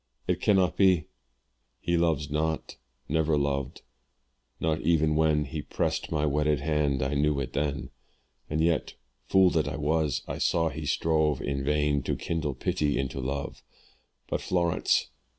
it cannot be; "He loves not, never loved not even when "He pressed my wedded hand I knew it then; "And yet fool that I was I saw he strove "In vain to kindle pity into love. "But Florence!